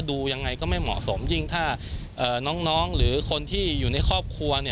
ดูยังไงก็ไม่เหมาะสมยิ่งถ้าน้องหรือคนที่อยู่ในครอบครัว